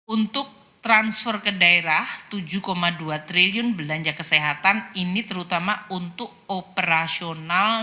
untuk transfer ke daerah tujuh dua triliun belanja kesehatan ini terutama untuk operasional